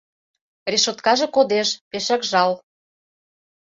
Решоткаже кодеш — пешак жал.